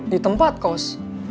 di tempat kos